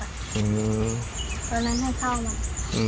ตอนนั้นให้เข้ามา